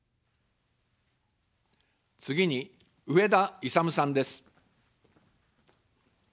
次に、上田いさむさんです。